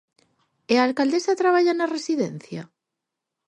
¿E a alcaldesa traballa na residencia?